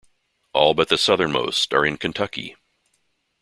All but the southernmost are in Kentucky.